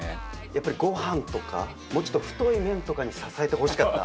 やっぱりご飯とかもうちょっと太い麺とかに支えてほしかった。